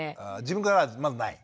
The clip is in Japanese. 自分からはまずない？